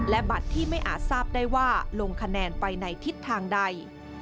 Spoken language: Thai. และบัตรที่ไม่อาจทราบได้ว่าลงคะแนนไปในทิศทางใด